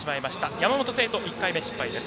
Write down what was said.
山本聖途、１回目失敗です。